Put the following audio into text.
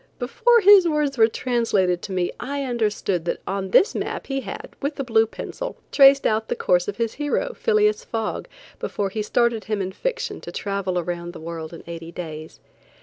Before his words were translated to me, I understood that on this map he had, with a blue pencil, traced out the course of his hero, Phileas Fogg, before he started him in fiction to travel around the world in eighty days.